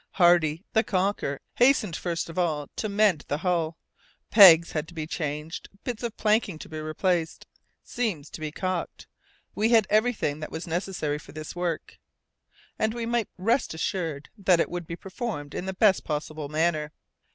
Hardy, the caulker, hastened first of all to mend the hull; pegs had to be changed, bits of planking to be replaced, seams to be caulked. We had everything that was necessary for this work, and we might rest assured that it would be performed in the best possible manner.